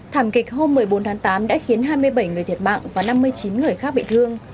thảm kịch hôm một mươi bốn tháng tám đã khiến hai mươi bảy người thiệt mạng và năm mươi chín người khác bị thương